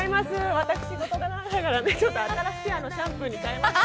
私事ですが新しいシャンプーに変えました。